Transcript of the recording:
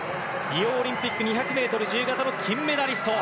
リオオリンピック２００ｍ自由形の金メダリスト。